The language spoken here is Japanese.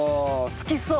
好きそう。